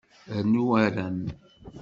Rnu arem.